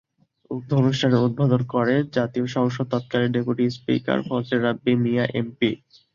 উক্ত অনুষ্ঠানের উদ্বোধন করেন জাতীয় সংসদের তৎকালীন deputy speaker Fazle Rabbi Miah MP.